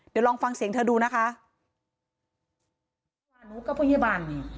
เดี๋ยวลองฟังเสียงเธอดูนะคะ